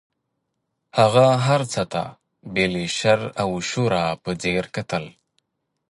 هغه هر څه ته بې له شر او شوره په ځیر کتل.